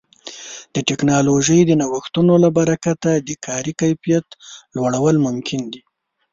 د ټکنالوژۍ د نوښتونو له برکه د کاري کیفیت لوړول ممکن دي.